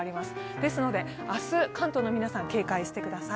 ですので、明日、関東の皆さん、警戒してください。